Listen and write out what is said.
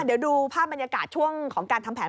เดี๋ยวดูภาพบรรยากาศช่วงของการทำแผน